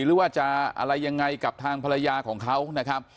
หรือว่าจะอะไรยังไงกับทางภรรยาของเขานะครับ